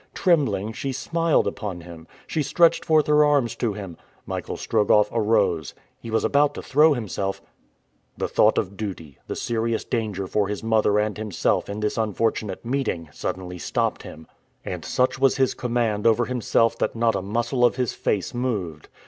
Trembling, she smiled upon him. She stretched forth her arms to him. Michael Strogoff arose. He was about to throw himself The thought of duty, the serious danger for his mother and himself in this unfortunate meeting, suddenly stopped him, and such was his command over himself that not a muscle of his face moved.